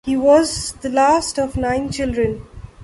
He was the last of nine children.